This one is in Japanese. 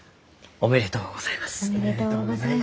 おめでとうございます。